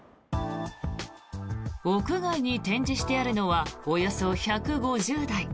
屋外に展示してあるのはおよそ１５０台。